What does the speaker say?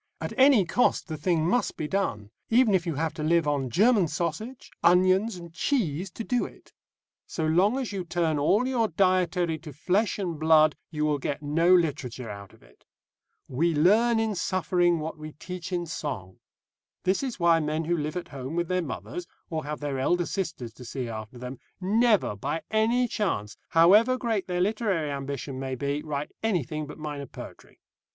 At any cost the thing must be done, even if you have to live on German sausage, onions, and cheese to do it. So long as you turn all your dietary to flesh and blood you will get no literature out of it. "We learn in suffering what we teach in song." This is why men who live at home with their mothers, or have their elder sisters to see after them, never, by any chance, however great their literary ambition may be, write anything but minor poetry.